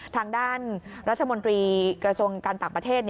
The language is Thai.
ทางด้านรัฐมนตรีกระทรวงการต่างประเทศ